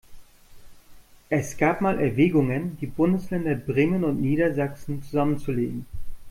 Es gab mal Erwägungen, die Bundesländer Bremen und Niedersachsen zusammenzulegen.